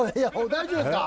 大丈夫ですか！？